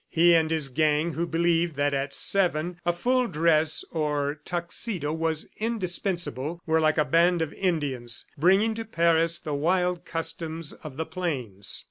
He and his gang, who believed that at seven a full dress or Tuxedo was indispensable, were like a band of Indians, bringing to Paris the wild customs of the plains.